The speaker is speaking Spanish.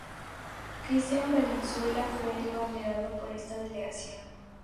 Cristian Valenzuela fue el abanderado de esta delegación.